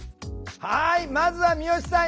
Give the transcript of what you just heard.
はいまずは三好さん